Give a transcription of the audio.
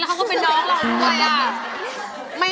แล้วเขาก็เป็นน้องเหล่าน้อย